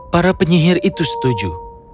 para penyihir itu setuju